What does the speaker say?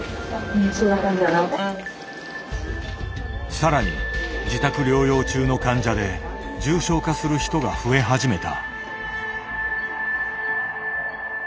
更に自宅療養中の患者で重症化する人が増え始めた。